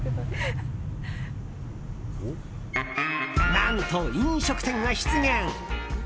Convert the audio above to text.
何と、飲食店が出現。